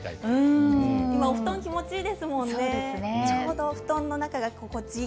お布団気持ちいいですものね。